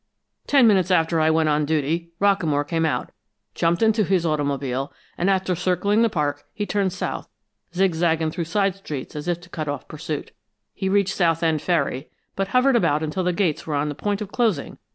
Ten minutes after I went on duty, Rockamore came out, jumped into his automobile, and after circling the park, he turned south, zig zagging through side streets as if to cut off pursuit. He reached South end Ferry, but hovered about until the gates were on the point of closing.